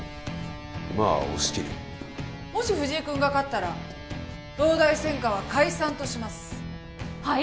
まあお好きにもし藤井君が勝ったら東大専科は解散としますはい！？